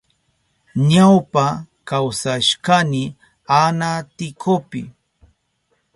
Ñawpa kawsashkani Anaticopi.